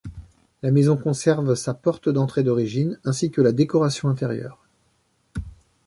La maison conserve sa porte d'entrée d’origine, ainsi que la décoration intérieure.